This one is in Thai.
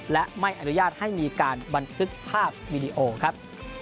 และไม่อนุญาตให้มีการบันทึกภาพวีดีโอครับ